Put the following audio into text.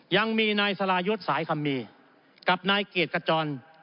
ยังมีนายสรายุทธ์สายคำมีกับนายเกียรติกระจร